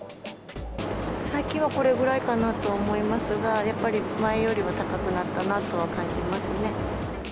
最近はこれぐらいかなと思いますが、やっぱり前よりは高くなったなとは感じますね。